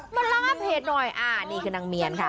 มาระงับเหตุหน่อยอ่านี่คือนางเมียนค่ะ